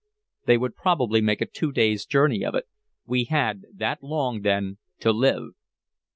They would probably make a two days' journey of it. We had that long, then, to live.